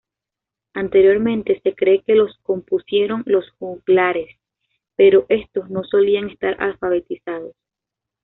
Anteriormente se cree que los compusieron los juglares, pero estos no solían estar alfabetizados.